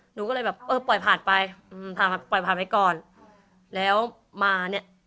หนูก็เลยแบบเออปล่อยผ่านไปอืมผ่านปล่อยผ่านไปก่อนแล้วมาเนี้ย